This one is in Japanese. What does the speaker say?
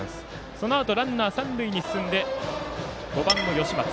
そのあとランナー、三塁に進んで５番の吉松。